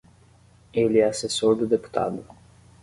Ele é assessor do deputado.